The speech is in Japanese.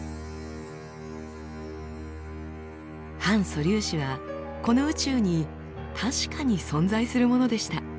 反素粒子はこの宇宙に確かに存在するものでした。